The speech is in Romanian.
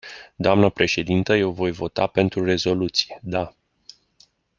Dnă președintă, eu voi vota pentru rezoluție, da.